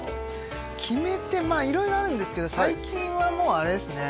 まあ色々あるんですけど最近はもうあれですね